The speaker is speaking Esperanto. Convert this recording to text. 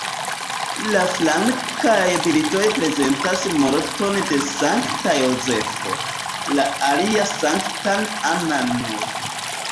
La flankaj bildoj prezentas morton de Sankta Jozefo, la alia Sanktan Anna-n.